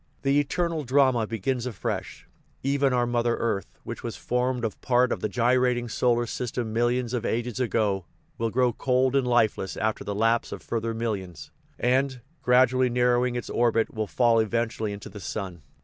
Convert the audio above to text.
The eternal drama begins afresh. Even our mother earth, which was formed of part of the gyrating solar system millions of ages ago, will grow cold and lifeless after the lapse of further millions, and, gradually narrow ing its orbit, will fall eventually into the sun.